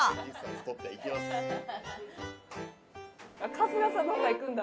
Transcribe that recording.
春日さんのほうが行くんだ。